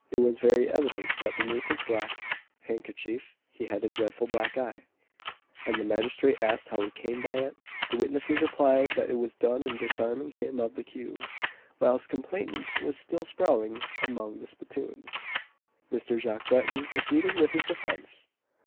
_" It was very evident that beneath his black handkerchief he had a dreadful black eye, and the magistrate asked how he came by it? The witnesses replied that it was done in disarming him of the cue, whilst complainant was still sprawling among the spittoons. Mr. Jacques Breton proceeded with his defence.